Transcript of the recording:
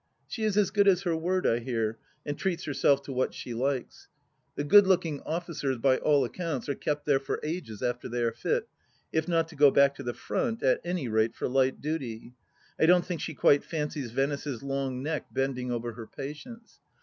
She is as good as her word, I hear, and treats herself to what she likes. The good looking officers, by all accounts, are kept there for ages after they are fit, if not to go back to the Front, at any rate for light duty. I don't think she quite fancies Venice's long neck bending over her patients.